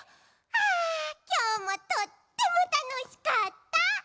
あきょうもとってもたのしかった。